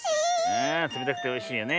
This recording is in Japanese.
ああつめたくておいしいよね。